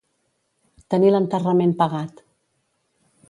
Tenir l'enterrament pagat.